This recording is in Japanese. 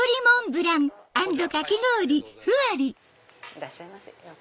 いらっしゃいませ。